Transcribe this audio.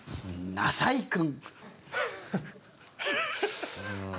なさいくん？